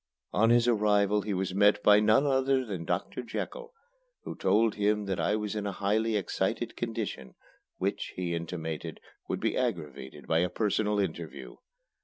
On his arrival he was met by none other than Doctor Jekyll, who told him that I was in a highly excited condition, which, he intimated, would be aggravated by a personal interview.